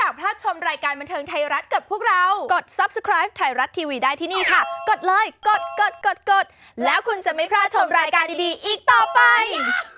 กดเลยกดกดกดกดแล้วคุณจะไม่พลาดชมรายการดีอีกต่อไป